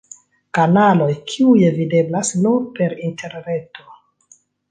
Kanaloj kiuj videblas nur per Interreto.